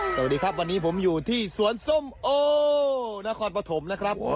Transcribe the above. สวัสดีครับวันนี้ผมอยู่ที่สวนส้มโอนครปฐมนะครับ